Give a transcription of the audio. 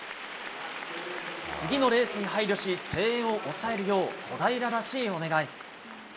次のレースに配慮し、声援を押さえるよう、小平らしいお願い。